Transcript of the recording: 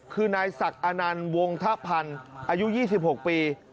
คือนายศักดิ์อนันต์วงธพันธ์อายุ๒๖ปี